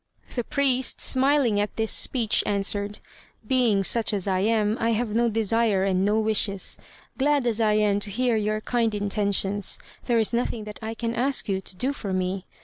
The priest, smiling at this speech, answered: "Being such as I am, I have no desire and no wishes. Glad as I am to hear your kind intentions, there is nothing that I can ask you to do for me.